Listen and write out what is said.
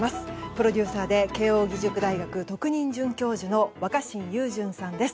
プロデューサーで慶應義塾大学特任准教授の若新雄純さんです。